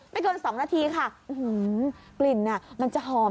ไม่เกิน๒นาทีค่ะอื้อหือกลิ่นน่ะมันจะหอม